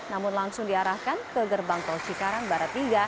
namun langsung diarahkan ke gerbang tol cikarang barat tiga